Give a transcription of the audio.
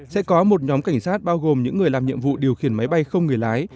sẽ có một nhóm cảnh sát bao gồm những người làm nhiệm vụ điều khiển máy bay không người lái